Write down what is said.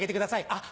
あっ